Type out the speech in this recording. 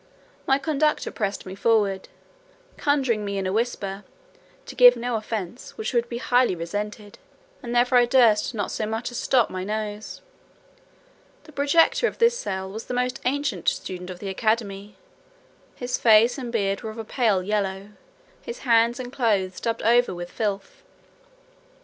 My conductor pressed me forward, conjuring me in a whisper "to give no offence, which would be highly resented;" and therefore I durst not so much as stop my nose. The projector of this cell was the most ancient student of the academy; his face and beard were of a pale yellow; his hands and clothes daubed over with filth.